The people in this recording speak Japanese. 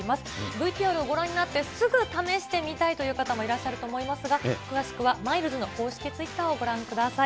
ＶＴＲをご覧になって、すぐ試してみたいという方もいらっしゃると思いますが、詳しくはマイルズの公式ツイッターをご覧ください。